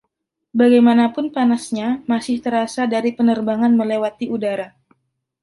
Bagaimanapun panasnya masih terasa dari penerbangan melewati udara.